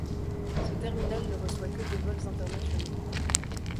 Ce terminal ne reçoit que des vols internationaux.